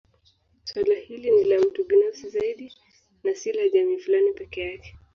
Suala hili ni la mtu binafsi zaidi na si la jamii fulani peke yake